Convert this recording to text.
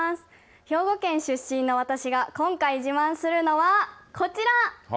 兵庫県出身の私が今回自慢するのはこちら。